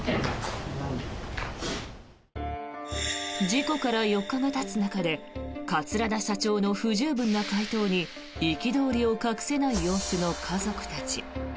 事故から４日がたつ中で桂田社長の不十分な回答に憤りを隠せない様子の家族たち。